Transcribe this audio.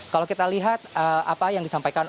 kalau kita lihat apa yang disampaikan